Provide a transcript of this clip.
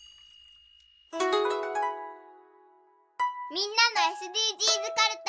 みんなのＳＤＧｓかるた。